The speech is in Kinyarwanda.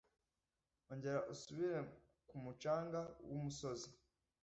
ongera usubire ku mucanga wumusozi